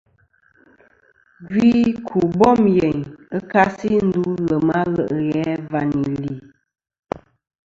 Gvi ku bom yeyn ɨ kasi ndu lem a le' ghe và nì li.